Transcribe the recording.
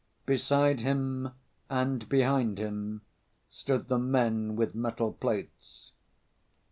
Beside him and behind him stood the men with metal plates.